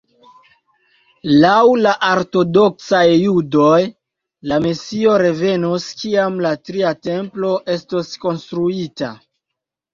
Laŭ la ortodoksaj judoj, la mesio revenos, kiam la tria Templo estos konstruita.